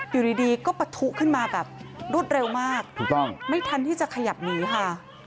อยู่ดีก็ปะทุขึ้นมาแบบรวดเร็วมากถูกต้องไม่ทันที่จะขยับหนีค่ะ